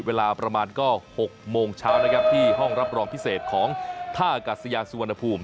เวลาประมาณก็๖โมงเช้านะครับที่ห้องรับรองพิเศษของท่ากัศยานสุวรรณภูมิ